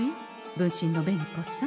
分身の紅子さん。